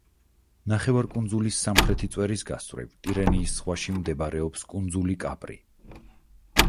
ნახევარკუნძულის სამხრეთი წვერის გასწვრივ, ტირენიის ზღვაში მდებარეობს კუნძული კაპრი.